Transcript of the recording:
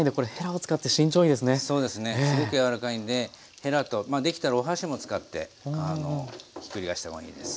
すごく柔らかいんでへらとできたらお箸も使ってひっくり返した方がいいです。